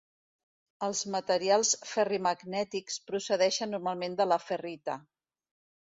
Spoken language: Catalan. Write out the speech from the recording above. Els materials ferrimagnètics procedeixen normalment de la ferrita.